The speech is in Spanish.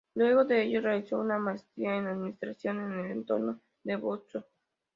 Luego de ello, realizó una maestría en Administración en el entonces de Boston.